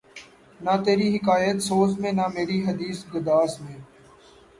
نہ تری حکایت سوز میں نہ مری حدیث گداز میں